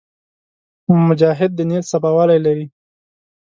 مجاهد د نیت صفاوالی لري.